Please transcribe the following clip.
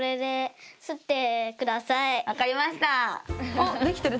あっできてる。